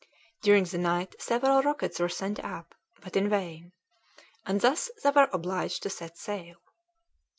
During the night several rockets were sent up, but in vain. And thus they were obliged to set sail.